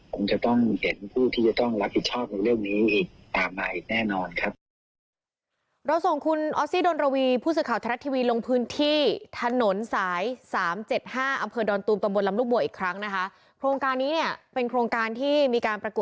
คงจะต้องเห็นผู้ที่จะต้องรับผิดชอบในเรื่องนี้อีก